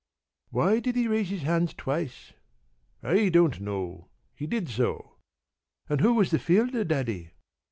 p> "Why did he raise his hands twice?" "I don't know. He did so." "And who was the fielder, Daddy?"